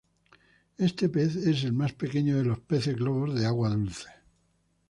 Este pez es el más pequeño de los peces globos de agua dulce.